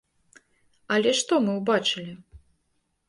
Але што мы ўбачылі?